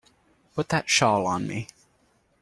Put that shawl on me.